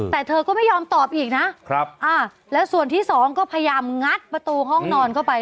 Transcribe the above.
แต่เธอก็ไม่ยอมตอบอีกนะแล้วส่วนที่สองก็พยายามงัดประตูห้องนอนเข้าไป